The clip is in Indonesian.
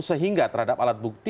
sehingga terhadap alat bukti